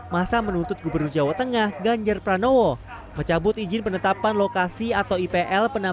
tak berselan satu jam gubernur jawa tengah ganjar pranowo akhirnya keluar dari kantornya dan menemui masa pendemo